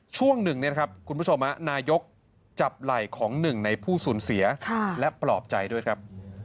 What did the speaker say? ช่วงหนึ่งเนี่ยนะครับคุณผู้ชมนายกจับไหล่ของหนึ่งในผู้สูญเสียและปลอบใจด้วยครับ